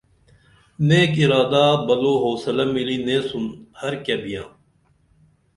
نیک ارادہ بلو حوصلہ ملی نیسُن ہر کیہ بیاں